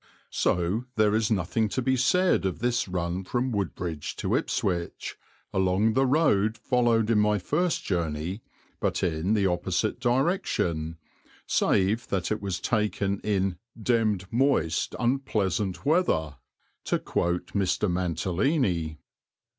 So there is nothing to be said of this run from Woodbridge to Ipswich, along the road followed in my first journey but in the opposite direction, save that it was taken in "demmed, moist, unpleasant weather," to quote Mr. Mantalini.